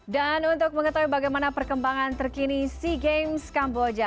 dan untuk mengetahui bagaimana perkembangan terkini sea games kamboja